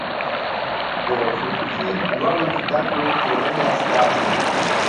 د خصوصي لوړو زده کړو د ټولنې استازی